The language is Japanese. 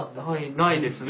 ないですね。